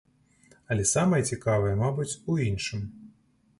Але самае цікавае, мабыць, у іншым.